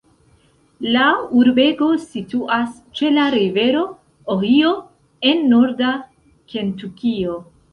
La urbego situas ĉe la rivero Ohio en norda Kentukio.